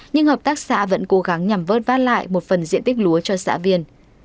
nhưng hợp tác xã vẫn cố gắng nhằm vớt vát lại một phần diện tích lúa cho xã viên